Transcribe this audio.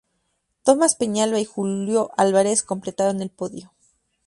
Tomás Peñalba y Julio Álvarez completaron el podio.